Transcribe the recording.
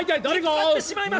見つかってしまいます！